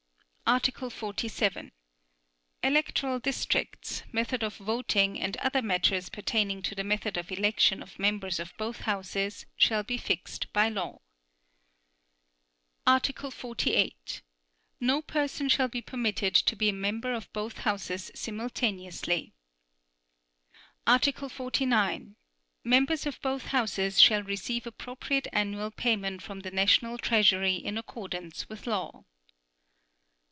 Article 47. Electoral districts, method of voting and other matters pertaining to the method of election of members of both Houses shall be fixed by law. Article 48. No person shall be permitted to be a member of both Houses simultaneously. Article 49. Members of both Houses shall receive appropriate annual payment from the national treasury in accordance with law.